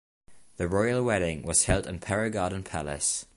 The royal wedding was held in Paro Garden Palace.